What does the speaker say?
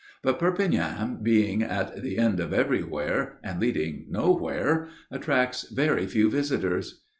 But Perpignan being at the end of everywhere and leading nowhere attracts very few visitors.